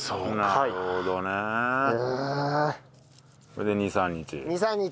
それで２３日。